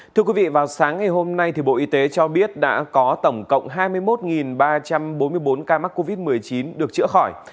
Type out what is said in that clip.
thưa quý vị vào sáng ngày hôm nay bộ y tế cho biết đã có tổng cộng hai mươi một ba trăm bốn mươi bốn ca mắc covid một mươi chín được chữa khỏi